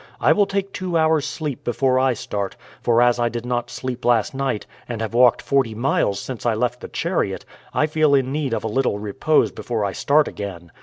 I will take two hours' sleep before I start; for as I did not sleep last night, and have walked forty miles since I left the chariot, I feel in need of a little repose before I start again.